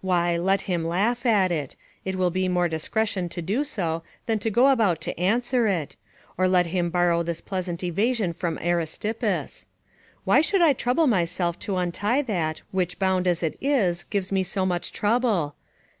Why, let him laugh at it; it will be more discretion to do so, than to go about to answer it; or let him borrow this pleasant evasion from Aristippus: "Why should I trouble myself to untie that, which bound as it is, gives me so much trouble?"